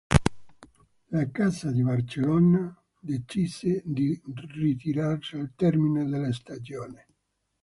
La Casa di Barcellona decise di ritirarsi al termine della stagione.